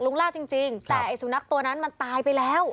ลากจริงแต่ไอ้สุนัขตัวนั้นมันตายไปแล้ว